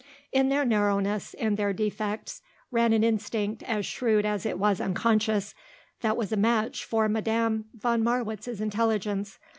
In their narrowness, in their defects, ran an instinct, as shrewd as it was unconscious, that was a match for Madame von Marwitz's intelligence.